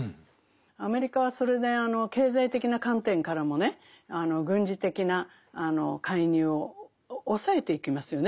アメリカはそれであの経済的な観点からもね軍事的な介入を抑えていきますよね